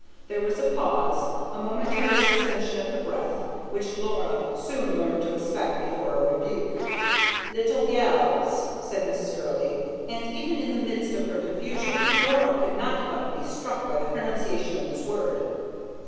There was a pause, a momentary suspension of the breath, which Laura soon learned to expect before a rebuke. "Little gels," said Mrs. Gurley and even in the midst of her confusion Laura could not but be struck by the pronunciation of this word.